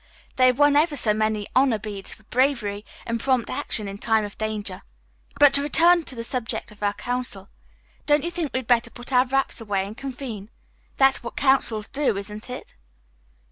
They won ever so many honor beads for bravery and prompt action in time of danger. But to return to the subject of our council. Don't you think we had better put our wraps away and convene? That's what councils do, isn't it?"